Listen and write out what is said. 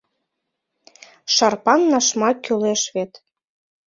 Шарпан-нашмак кӱлеш вет.